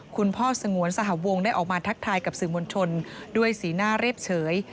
คุณพ่อสงวนสหวงได้ออกมาทักทายกับสื่อมวลชนด้วยสีหน้าเรียบเฉย